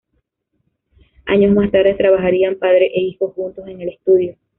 Años más tarde trabajarían padre e hijos juntos en el estudio.